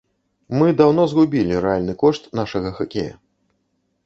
Мы даўно згубілі рэальны кошт нашага хакея.